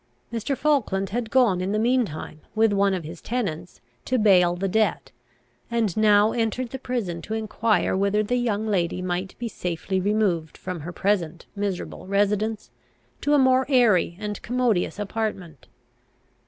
Mr. Falkland had gone in the mean time, with one of his tenants, to bail the debt, and now entered the prison to enquire whether the young lady might be safely removed, from her present miserable residence, to a more airy and commodious apartment.